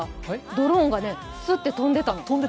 ドローンがスッと飛んでたの。